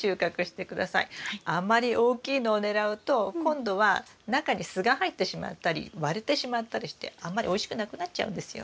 あんまり大きいのをねらうと今度は中にすが入ってしまったり割れてしまったりしてあんまりおいしくなくなっちゃうんですよ。